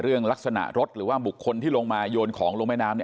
ลักษณะรถหรือว่าบุคคลที่ลงมาโยนของลงแม่น้ำ